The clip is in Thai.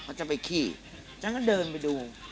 เขาจะไปขี้ฉันก็เดินไปดู